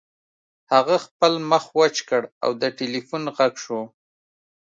هغه خپل مخ وچ کړ او د ټیلیفون غږ شو